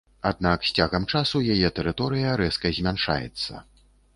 Аднак з цягам часу яе тэрыторыя рэзка змяншаецца.